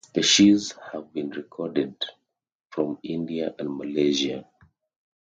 Species have been recorded from India and Malesia.